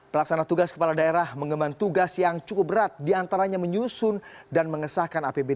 pelaksana tugas kepala daerah mengembang tugas yang cukup berat diantaranya menyusun dan mengesahkan apbd dua ribu tujuh belas